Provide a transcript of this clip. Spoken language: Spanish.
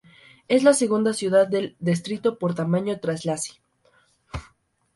Es la segunda ciudad del distrito por tamaño tras Iași.